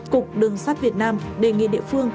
cục đường sắt việt nam đề nghị địa phương